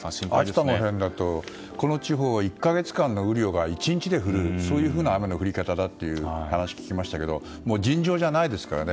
秋田の辺りだとこの地方１か月間の雨量が１日で降るという雨の降り方だという話を聞きましたが尋常じゃないですからね。